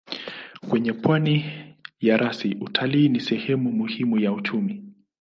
Kwenye pwani ya rasi utalii ni sehemu muhimu ya uchumi.